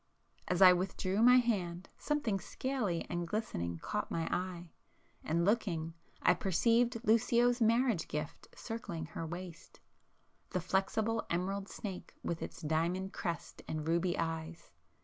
As I withdrew my hand, something scaly and glistening caught my eye, and looking I perceived Lucio's marriage gift circling her waist,—the flexible emerald snake with its diamond crest and ruby eyes.